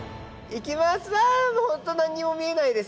行きます。